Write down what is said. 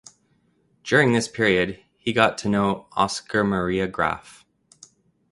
During this period he got to know Oskar Maria Graf.